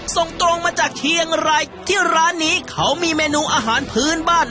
ส่งตรงมาจากเชียงรายที่ร้านนี้เขามีเมนูอาหารพื้นบ้าน